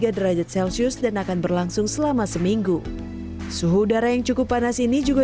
tiga derajat celcius dan akan berlangsung selama seminggu suhu udara yang cukup panas ini juga